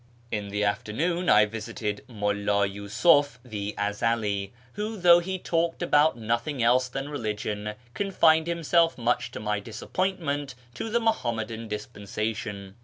In the afternoon I visited Mulhi Yusuf the Ezeli, who, though he talked about nothing else than religion, confined himself, much to my disappointment, to the Muhammadan dispensation.